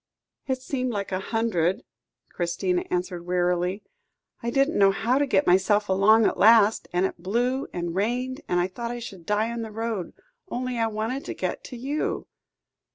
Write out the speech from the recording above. "It seemed like a hundred," Christina answered wearily. "I didn't know how to get myself along at last; and it blew and rained, and I thought I should die on the road. Only I wanted to get to you."